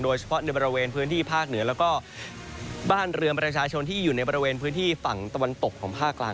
โดยเฉพาะในบริเวณพื้นที่ภาคเหนือแล้วก็บ้านเรือนประชาชนที่อยู่ในบริเวณพื้นที่ฝั่งตะวันตกของภาคกลาง